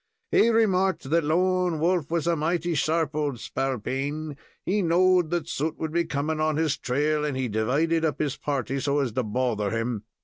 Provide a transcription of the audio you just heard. He remarked that Lone Wolf was a mighty sharp old spalpeen. He knowed that Soot would be coming on his trail, and he divided up his party so as to bother him.